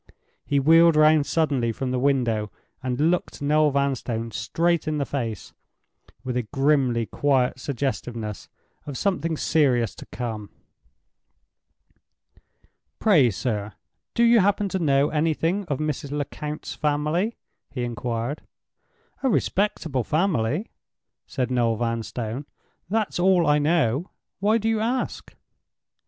He wheeled round suddenly from the window, and looked Noel Vanstone straight in the face with a grimly quiet suggestiveness of something serious to come. "Pray, sir, do you happen to know anything of Mrs. Lecount's family?" he inquired. "A respectable family," said Noel Vanstone—"that's all I know. Why do you ask?"